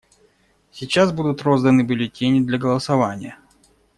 Сейчас будут розданы бюллетени для голосования.